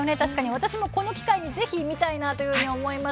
私もこの機会にぜひ見たいなと思います。